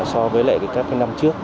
so với lại các năm trước